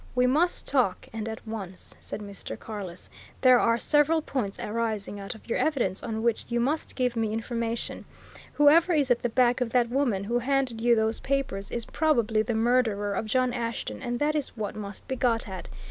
"We must talk and at once," said Mr. Carless. "There are several points arising out of your evidence on which you must give me information. Whoever is at the back of that woman who handed you those papers is probably the murderer of John Ashton and that is what must be got at.